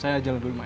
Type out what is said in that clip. saya jalan dulu ma